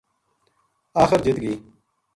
آخر جِت گئی